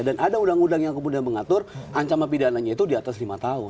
dan ada undang undang yang kemudian mengatur ancaman pidananya itu di atas lima tahun